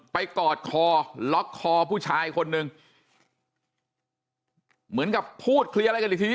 กอดคอล็อกคอผู้ชายคนหนึ่งเหมือนกับพูดเคลียร์อะไรกันอีกที